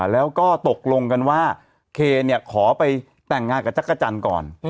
แล้วก็ตกลงกันว่าเคขอไปแต่งงานกับจักรจันทร์ก่อน